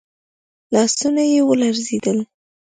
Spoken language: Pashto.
لاسونه يې ولړزېدل.